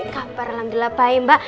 kabar alhamdulillah baik mbak